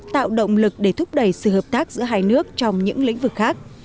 tạo động lực để thúc đẩy sự hợp tác giữa hai nước trong những lĩnh vực khác